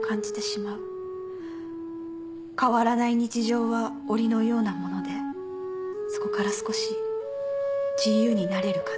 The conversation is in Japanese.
変わらない日常はおりのようなものでそこから少し自由になれる感じが。